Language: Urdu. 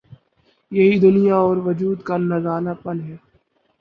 یہی دنیا اور وجود کا نرالا پن ہے۔